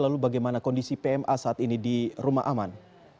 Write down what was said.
lalu bagaimana kondisi pma saat ini di rumah aman